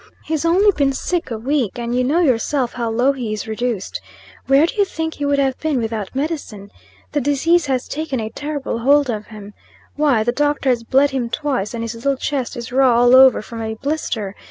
He's only been sick a week, and you know yourself how low he is reduced. Where do you think he would have been without medicine? The disease has taken a terrible hold of him. Why, the doctor has bled him twice; and his little chest is raw all over from a blister.